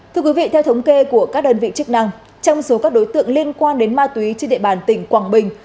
thưa quý vị theo thống kê của các đơn vị chức năng trong số các đối tượng liên quan đến ma túy trên địa bàn tỉnh quảng bình